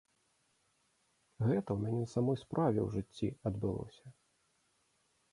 Гэта ў мяне на самой справе ў жыцці адбылося.